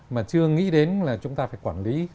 mà chưa nghĩ đến là chúng ta phải quản lý